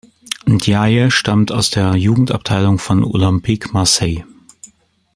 N’Diaye stammt aus der Jugendabteilung von Olympique Marseille.